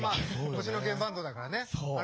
星野源バンドだからね。